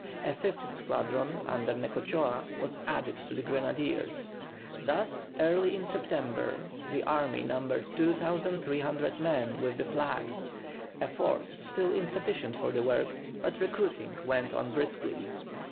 A fifth squadron under Necochea was added to the Grenadiers. Thus early in September the army numbered 2,300 men with the flags, a force still insufficient for the work, but recruiting went on briskly.